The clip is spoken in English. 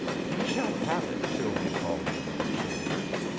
$7 "He shall have it," Sylvia called over her shoulder.